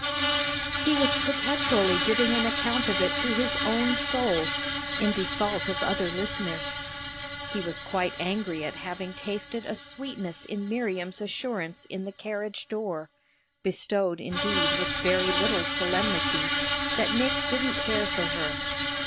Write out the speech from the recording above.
He was perpetually giving an account of it to his own soul in default of other listeners. He was quite angry at having tasted a sweetness in Miriam's assurance at the carriage door, bestowed indeed with very little solemnity, that Nick didn't care for her.